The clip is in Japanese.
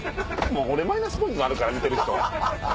俺マイナスポイントあるから見てる人。